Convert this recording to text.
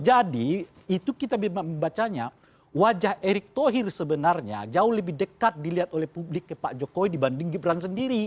jadi itu kita memang membacanya wajah erick thohir sebenarnya jauh lebih dekat dilihat oleh publik pak jokowi dibanding gibran sendiri